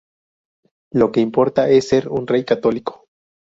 Lo que importa es ser un rey católico"".